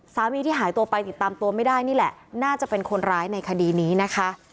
ที่หายตัวไปติดตามตัวไม่ได้นี่แหละน่าจะเป็นคนร้ายในคดีนี้นะคะ